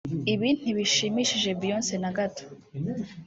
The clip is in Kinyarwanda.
ibi ntibishimishe Beyonce na gato